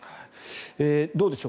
どうでしょう